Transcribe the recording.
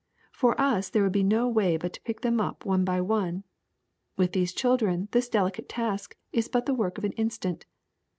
For us there would be no way but to pick them up one by one ; with these children this delicate task is but the work of an instant.